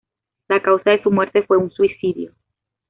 La causa de su muerte fue un suicidio.